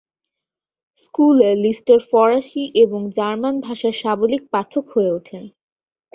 স্কুলে, লিস্টার ফরাসি এবং জার্মান ভাষার সাবলীল পাঠক হয়ে ওঠেন।